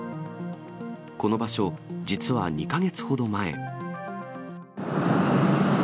この場所、実は２か月ほど前。